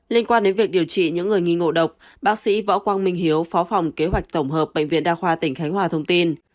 liên quan đến việc điều trị những người nghi ngộ độc bác sĩ võ quang minh hiếu phó phòng kế hoạch tổng hợp bệnh viện đa khoa tỉnh khánh hòa thông tin